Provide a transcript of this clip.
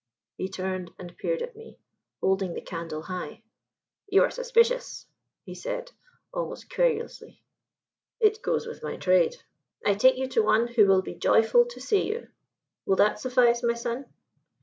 He turned and peered at me, holding the candle high. "You are suspicious," he said, almost querulously. "It goes with my trade." "I take you to one who will be joyful to see you. Will that suffice, my son?"